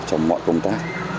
trong mọi công tác